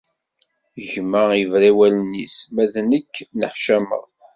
Gma ibra i wallen-is, ma d nekk nneḥcameɣ.